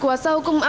kuasa hukum alfian